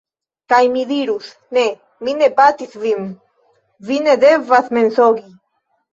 Kaj mi dirus: "Ne! Mi ne batis vin, vi ne devas mensogi!"